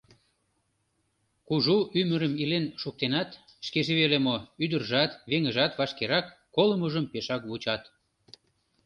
Кужу ӱмырым илен шуктенат, шкеже веле мо, ӱдыржат, веҥыжат вашкерак колымыжым пешак вучат...